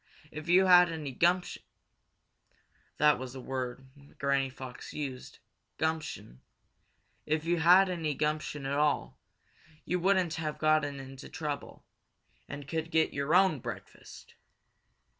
If you had any gumption" that's the word Granny Fox used, gumption "if you had any gumption at all, you wouldn't have gotten in trouble, and could get your own breakfast."